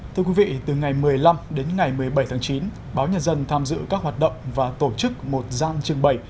thưa quý vị từ ngày một mươi năm đến ngày một mươi bảy tháng chín báo nhân dân tham dự các hoạt động và tổ chức một gian trưng bày